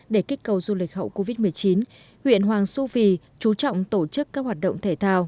để kích cầu du lịch hậu covid một mươi chín huyện hoàng su phi chú trọng tổ chức các hoạt động thể thao